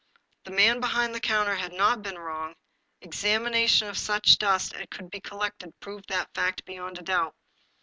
The man behind the counter had not been wrong; examination of such dust as could be collected proved that fact beyond a doubt.